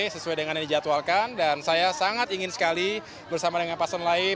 sesuai dengan yang dijadwalkan dan saya sangat ingin sekali bersama dengan paslon lain